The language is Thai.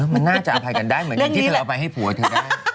มันน่าจะอภัยกันได้เหมือนกันที่เธอเอาไปให้ผัวเธอได้